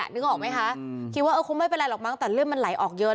นึกออกไหมคะคิดว่าเออคงไม่เป็นไรหรอกมั้งแต่เลือดมันไหลออกเยอะ